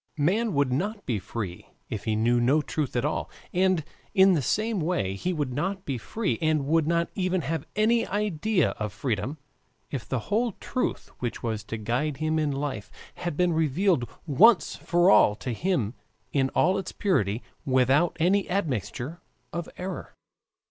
Man would not be free if he knew no truth at all, and in the same way he would not be free and would not even have any idea of freedom if the whole truth which was to guide him in life had been revealed once for all to him in all its purity without any admixture of error.